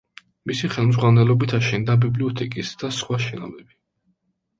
მისი ხელმძღვანელობით აშენდა ბიბლიოთეკის და სხვა შენობები.